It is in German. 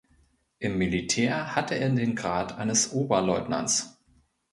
Im Militär hatte er den Grad eines Oberleutnants.